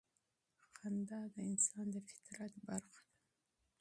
خندا د انسان د فطرت برخه ده.